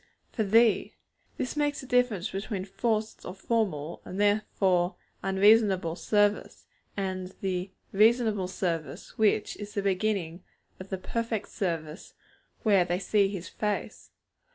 'For Thee!' This makes the difference between forced or formal, and therefore unreasonable service, and the 'reasonable service' which is the beginning of the perfect service where they see His face.